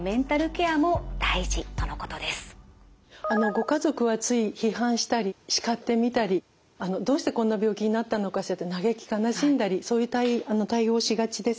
ご家族はつい批判したり叱ってみたりどうしてこんな病気になったのかしらと嘆き悲しんだりそういう対応をしがちです。